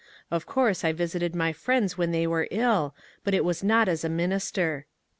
Of course I visited my friends when they were ill, but it was not as a minister.